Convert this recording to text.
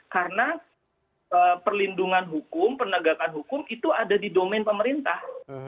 karena perlindungan hukum penegakan hukum itu ada di domen pemerintah